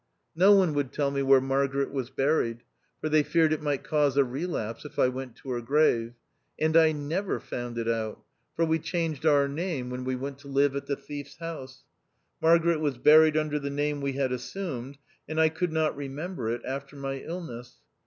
No One would tell me where Margaret was buried, for they feared it might cause a relapse if I went to her grave. And I never found it out, for we changed our name when 222 THE OUTCAST. we went to live at the thief's house. Mar garet was buried under the name we had assumed, and I could not remember it after my illness.